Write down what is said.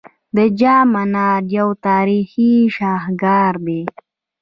د جام منار یو تاریخي شاهکار دی